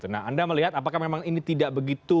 nah anda melihat apakah memang ini tidak begitu